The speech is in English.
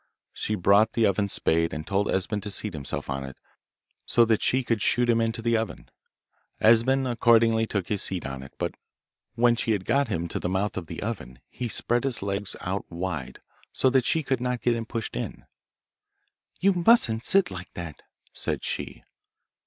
She brought the oven spade, and told Esben to seat himself on it, so that she could shoot him into the oven. Esben accordingly took his seat on it, but when she had got him to the mouth of the oven he spread his legs out wide, so that she could not get him pushed in. 'You mustn't sit like that,' said she.